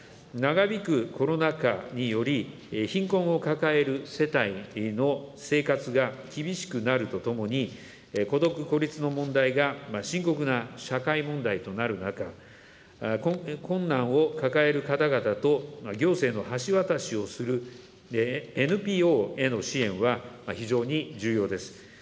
長引くコロナ禍により、貧困を抱える世帯の生活が厳しくなるとともに、孤独、孤立の問題が深刻な社会問題となる中、困難を抱える方々と行政の橋渡しをするＮＰＯへの支援は非常に重要です。